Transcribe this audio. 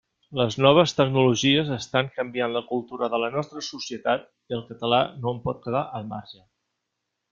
Les noves tecnologies estan canviant la cultura de la nostra societat i el català no en pot quedar al marge.